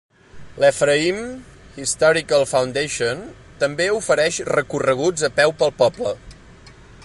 L'Ephraim Historical Foundation també ofereix recorreguts a peu pel poble.